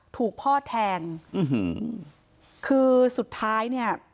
ถูกพ่อแทงคือสุดท้ายเนี่ย